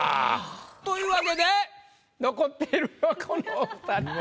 というわけで残っているのはこのお２人。